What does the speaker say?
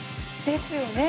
ですよね。